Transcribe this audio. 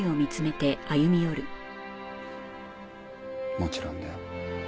もちろんだよ。